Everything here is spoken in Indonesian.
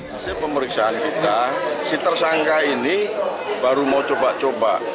hasil pemeriksaan kita si tersangka ini baru mau coba coba